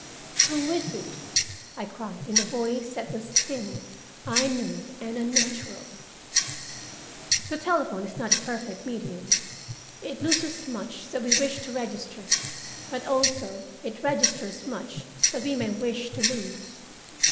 "Who is it?" I cried, in a voice that was thin, I knew, and unnatural. The telephone is not a perfect medium. It loses much that we wish to register but, also, it registers much that we may wish to lose.